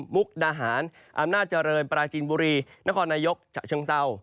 มุกดาหารอำนาจเจริญปราจีนบุรีนครนายกฉะเชิงเศร้า